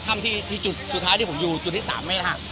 ท่ามสุดท้ายที่ผมอยู่จุดที่๓แม่น่ะฮะ